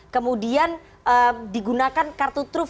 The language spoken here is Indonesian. kemudian digunakan kartu truf